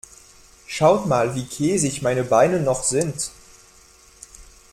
Schaut mal, wie käsig meine Beine noch sind.